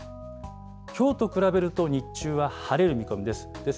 きょうと比べると、日中は晴れる見込みです。